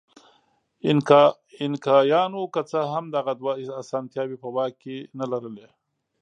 اینکایانو که څه هم دغه دوه اسانتیاوې په واک کې نه لرلې.